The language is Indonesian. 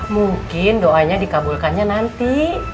mungkin doanya dikabulkannya nanti